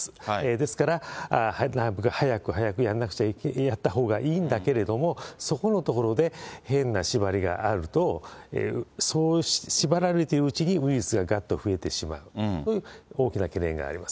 ですから、なるべく早く早くやったほうがいいんだけれども、そこのところで変な縛りがあると、そう縛られてるうちにウイルスががっと増えてしまうという大きな懸念があります。